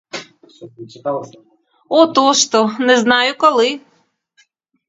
Отож то, не знаю коли.